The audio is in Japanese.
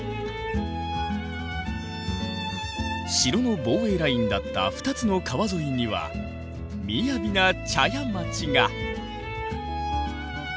城の防衛ラインだった２つの川沿いにはみやびな茶屋町が。